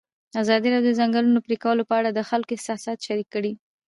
ازادي راډیو د د ځنګلونو پرېکول په اړه د خلکو احساسات شریک کړي.